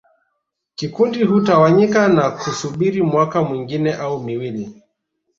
Kikundi hutawanyika na kusubiri mwaka mwingine au miwili